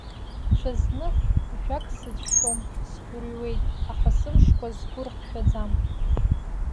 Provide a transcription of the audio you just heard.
Ҽазных, жәак сыҿшәом, сгәырҩуеит, аха сымшқәа сгәы рхшәаӡам.